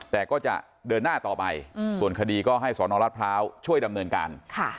แต่ก็จะเดินหน้าต่อไปส่วนคดีก็ให้สนรัฐพร้าวช่วยดำเนินการ